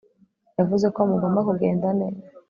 yavuze ko mugomba kugenda neza